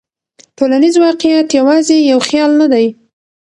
ټولنیز واقعیت یوازې یو خیال نه دی.